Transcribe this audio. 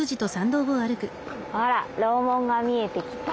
あら楼門が見えてきた。